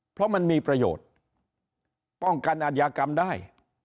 เพราะมันมีประโยชน์ป้องกันอัธยากรรมได้